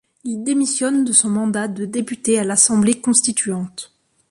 Il démissionne de son mandat de député à l'Assemblée constituante.